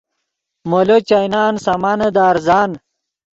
مولو چائینان سامانے دے ارزان